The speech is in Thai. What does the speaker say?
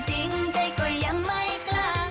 ใจก็ยังไม่กล้าง